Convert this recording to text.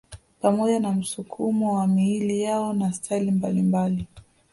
Pamoja na msukumo wa miili yao na staili mbalimbali